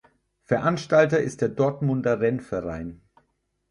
Veranstalter ist der Dortmunder Rennverein.